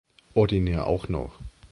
Ordinär auch noch.